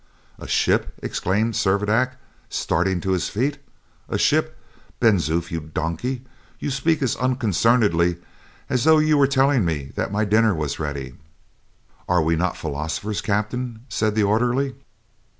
"A ship!" exclaimed Servadac, starting to his feet. "A ship! Ben Zoof, you donkey! you speak as unconcernedly as though you were telling me that my dinner was ready." "Are we not philosophers, captain?" said the orderly.